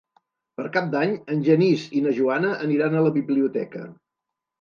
Per Cap d'Any en Genís i na Joana aniran a la biblioteca.